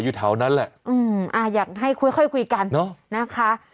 อืมอ่าอยากให้คุยค่อยคุยกันนะคะ